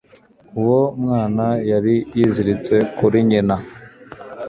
Uwo mwana yari yiziritse kuri nyina